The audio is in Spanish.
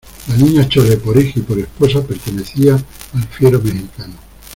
la Niña Chole por hija y por esposa, pertenecía al fiero mexicano